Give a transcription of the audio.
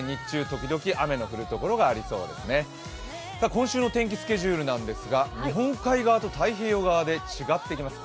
今週の天気スケジュールなんですが、日本海側と太平洋側で違ってきます。